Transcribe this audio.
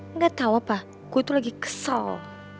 enggak tau apa gue tuh lagi kesel